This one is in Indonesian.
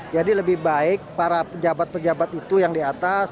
jadi lebih baik para pejabat pejabat itu yang di atas